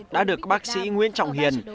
đã được bác sĩ nguyễn trọng hiền